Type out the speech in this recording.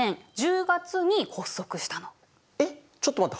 えっちょっと待って！